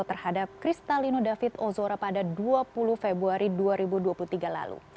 terhadap kristalino david ozora pada dua puluh februari dua ribu dua puluh tiga lalu